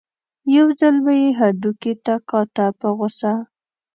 یو ځل به یې هډوکي ته کاته په غوسه.